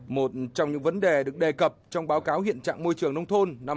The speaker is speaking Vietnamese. một trong những vấn đề được đề cập trong báo cáo hiện trạng môi trường nông thôn năm hai nghìn hai mươi